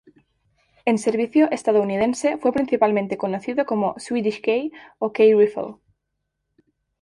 En servicio estadounidense fue principalmente conocido como "Swedish-K" o "K-Rifle".